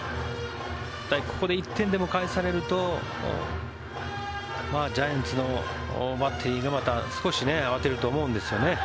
ここで１点でも返されるとジャイアンツのバッテリーがまた少し慌てると思うんですよね。